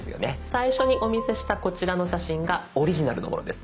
最初にお見せしたこちらの写真がオリジナルのものです。